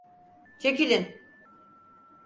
Çekilin!